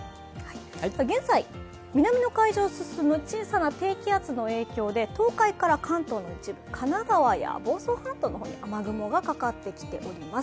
現在、南の海上を進む小さな低気圧の影響で東海から関東の一部、神奈川や房総半島の方に雨雲がかかってきています。